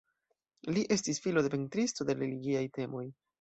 Li estis filo de pentristo de religiaj temoj.